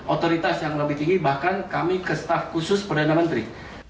otoritas yang lebih tinggi bahkan kami ke staff khusus perdana menteri